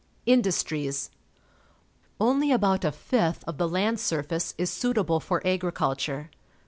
Industries. — Only about a fifth of the land surface is suitable for agriculture.